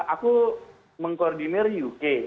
aku mengkoordinir uk